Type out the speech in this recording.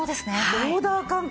オーダー感覚。